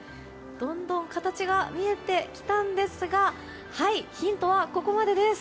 どんどん形が見えてきたんですがヒントはここまでです。